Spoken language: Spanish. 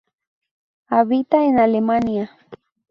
Habita en Alemania.